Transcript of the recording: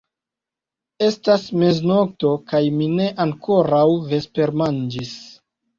Estas meznokto, kaj mi ne ankoraŭ vespermanĝis.